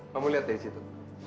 kamu lihat deh di situ